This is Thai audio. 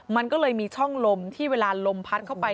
มันก็เลยมีช่องลมที่เวลาลมพัดเข้าไป